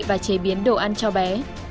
và chế biến đồ ăn cho bé